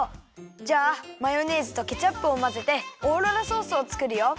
じゃあマヨネーズとケチャップをまぜてオーロラソースをつくるよ。